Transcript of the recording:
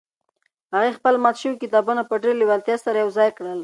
هغې خپل مات شوي کتابونه په ډېرې لېوالتیا سره یو ځای کړل.